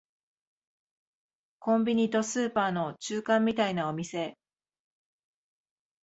コンビニとスーパーの中間みたいなお店